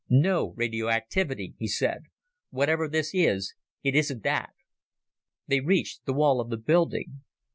"No radioactivity," he said. "Whatever this is, it isn't that." They reached the wall of the building.